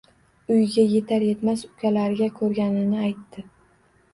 Uyiga yetar yetmas ukalariga koʻrganini aytdi.